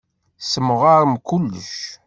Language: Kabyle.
Tessemɣarem kullec.